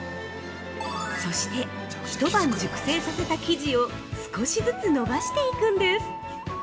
◆そして、一晩熟成させた生地を少しづつ伸ばしていくんです。